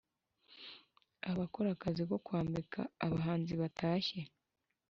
abakora akazi ko kwambika abahanzi batashye